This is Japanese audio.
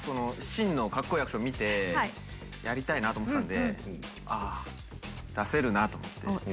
信のカッコいいアクション見てやりたいなと思ってたんで「あぁ出せるな」と思って。